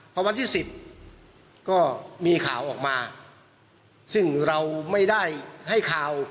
พอวันที่สิบก็มีข่าวออกมาซึ่งเราไม่ได้ให้ข่าว